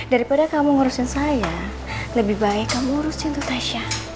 daripada kamu ngurusin saya lebih baik kamu ngurusin tuh tasya